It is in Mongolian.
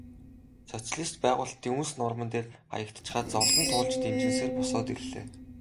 Социалист байгуулалтын үнс нурман дээр хаягдчихаад зовлон туулж дэнжгэнэсээр босоод ирлээ.